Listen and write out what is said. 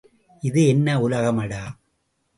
இது என்ன உலகமடா?